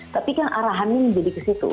tapi kan arahan ini menjadi ke situ